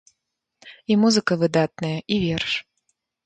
І музыка выдатная, і верш.